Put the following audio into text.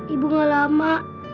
ibu gak lama